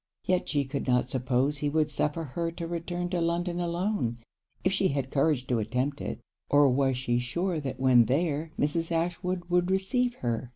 Yet she could not suppose he would suffer her to return to London alone, if she had courage to attempt it; or was she sure that when there, Mrs. Ashwood would receive her.